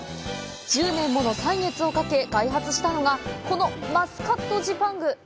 １０年もの歳月をかけ開発したのがこのマスカットジパング。